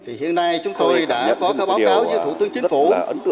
thì hiện nay chúng tôi đã có các báo cáo như thủ tướng chính phủ